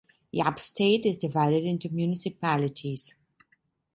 Yap State is divided into municipalities.